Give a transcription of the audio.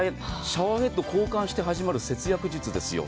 シャワーヘッドを交換することで始まる節約術ですよ。